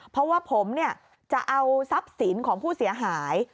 เพราะว่าผมจะเอาทรัพย์สินของผู้เสียหาย